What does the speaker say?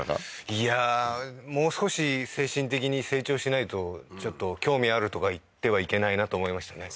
いやーもう少し精神的に成長しないとちょっと興味あるとか言ってはいけないなと思いましたね